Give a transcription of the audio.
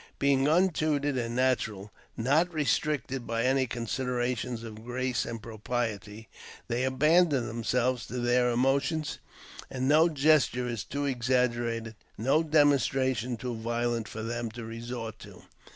Being untutored and natural, and not restricted by any considerations of grace or propriety, they abandon themselves to their emotions, and no gesture is too ex aggerated, no demonstration too violent for them to resort to.